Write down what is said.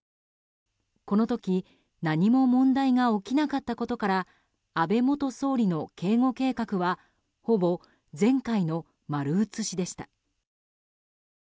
この時、何も問題が起きなかったことから安倍元総理の警護計画はほぼ前回の丸写しでした。